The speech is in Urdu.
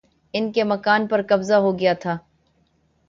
ان کے مکان پر قبضہ ہو گیا تھا